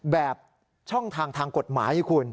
แบบช่องทางทางกฎหมายคุณ